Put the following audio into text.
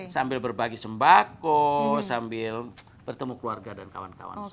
sambil berbagi sembako sambil bertemu keluarga dan kawan kawan